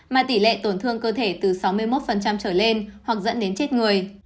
mà tỷ lệ tổn thương cơ thể từ sáu mươi một trở lên hoặc dẫn đến chết người